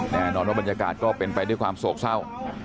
แน่นอนว่าบรรยากาศก็เป็นไปด้วยความโศกเศร้า